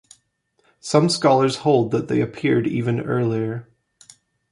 Some scholars hold that they appeared even earlier.